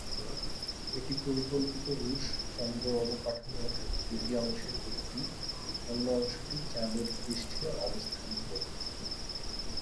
এটি পরিকল্পিত রুশ চন্দ্র অবকাঠামোর দুটি অংশের একটি, অন্য অংশটি চাঁদের পৃষ্ঠে অবস্থান করবে।